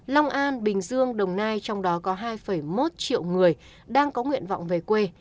long an bình dương đồng nai trong đó có hai một triệu người đang có nguyện vọng về quê